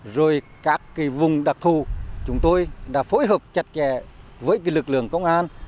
rồi các vùng đặc thù chúng tôi đã phối hợp chặt chẽ với lực lượng công an